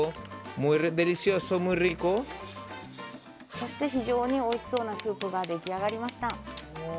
そして非常においしそうなスープが出来上がりました。